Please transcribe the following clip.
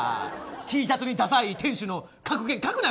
Ｔシャツにダサい店主の格言を書くなよ